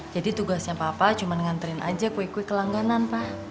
jadi tugasnya papa cuma nganterin aja kue kue ke langganan pak